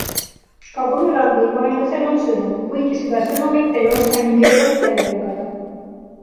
Ka võõral või vaenlasel on sõnum, kuigi seda sõnumit ei oska nii kergelt välja lugeda.